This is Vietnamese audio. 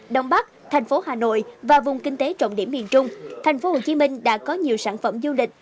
đông bắc tp hanoi và vùng kinh tế trọng điểm miền trung tp hcm đã có nhiều sản phẩm du lịch